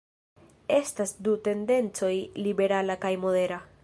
Estas du tendencoj: liberala kaj modera.